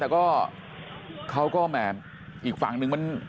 แต่ก็เขาก็แหมอีกฝั่งนึงมัน